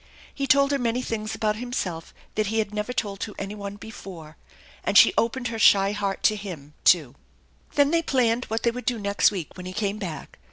He told her many things about himself that he nad never told to *ny one before, and she opened her shy heart to him, too. Then they planned what they would do next week when he came back.